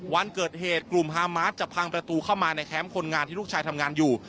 วันเกิดเหตุกลุ่มฮามาสจะพังประตูเข้ามาในแคมป์คนงานที่ลูกชายทำงานอยู่